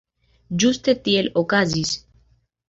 Ĝuste tiel okazis.